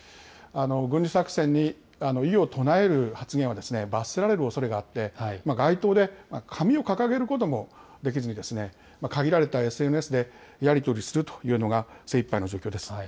軍事作戦に異を唱える発言は罰せられるおそれがあって、街頭で紙を掲げることもできずに、限られたＳＮＳでやり取りするというのが精いっぱいの状況です。